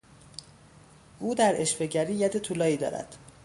او در عشوهگری ید طولایی دارد.